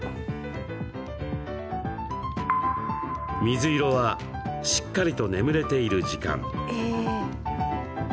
水色はしっかりと眠れている時間。